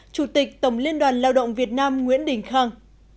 chủ tịch tổng liên đoàn lao động việt nam nguyễn đình khang